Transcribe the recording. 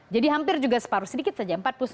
jadi hampir juga separuh sedikit saja